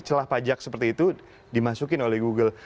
celah pajak seperti itu dimasukin oleh google